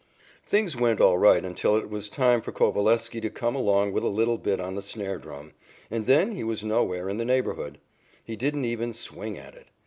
Things went all right until it was time for Coveleski to come along with a little bit on the snare drum, and then he was nowhere in the neighborhood. He didn't even swing at it.